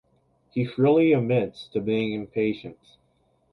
He freely admits to being impatient.